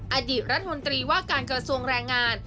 อาจิรัชหน์ธรีว่าการกระทรวงแรงงาน